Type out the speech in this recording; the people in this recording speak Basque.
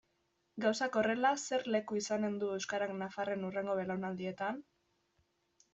Gauzak horrela, zer leku izanen du euskarak nafarren hurrengo belaunaldietan?